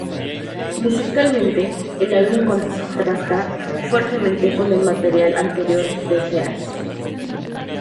Musicalmente, el álbum contrasta fuertemente con el material anterior de Earth.